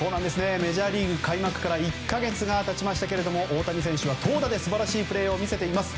メジャーリーグ開幕から１か月が経ちましたが大谷選手は投打で、素晴らしいプレーを見せています。